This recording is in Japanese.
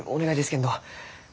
けんど